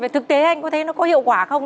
thực tế anh có thấy nó có hiệu quả không